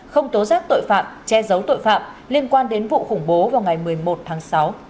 không tố giác tội phạm che giấu tội phạm liên quan đến vụ khủng bố vào ngày một mươi một tháng sáu